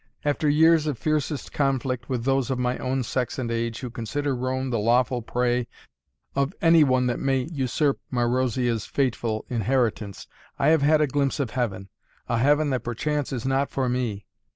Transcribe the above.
After years of fiercest conflict, with those of my own sex and age, who consider Rome the lawful prey of any one that may usurp Marozia's fateful inheritance, I have had a glimpse of Heaven a Heaven that perchance is not for me.